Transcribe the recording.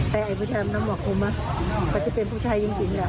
แต่ไอ้ผู้ชายมันมองคุมนะก็จะเป็นผู้ชายจริงน่ะมองคุมนะ